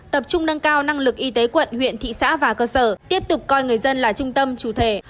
tập trung nâng cao năng lực y tế quận huyện thị xã và cơ sở tiếp tục coi người dân là trung tâm chủ thể